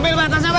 ambil batasnya mba